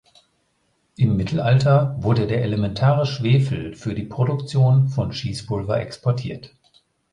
Im Mittelalter wurde der elementare Schwefel für die Produktion von Schießpulver exportiert.